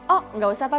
oh gak usah pak